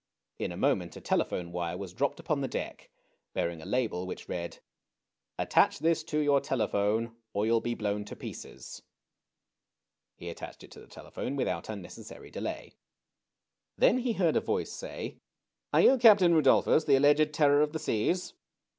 In a moment, a telephone wire was dropped upon the deck, bearing a label which read : Attach this to your telephone, or you'll be blown to pieces !" He attached it to the telephone without unnecessary delay. Then he heard a voice say : Are you Captain Rudolphus, the alleged Terror of the Seas